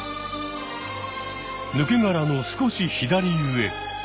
ぬけがらの少し左上。